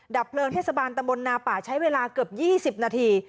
เพลิงเทศบาลตะมนนาป่าใช้เวลาเกือบ๒๐นาที